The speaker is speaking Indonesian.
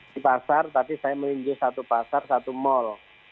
di pasar tadi saya menunjuk satu pasar satu mall